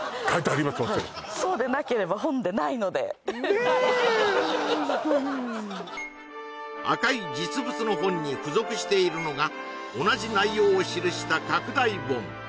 ねえホントに赤い実物の本に付属しているのが同じ内容を記した拡大本